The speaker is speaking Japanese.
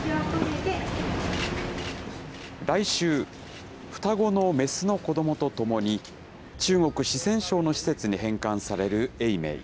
来週、双子の雌の子どもと共に、中国・四川省の施設に返還される永明。